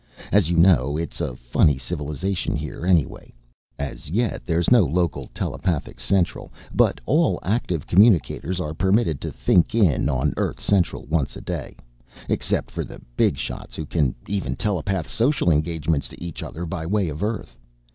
As you know, it's a funny civilization here anyway. As yet, there's no local telepathic Central but all Active Communicators are permitted to think in on Earth Central once a day except for the big shots who can even telepath social engagements to each other by way of Earth!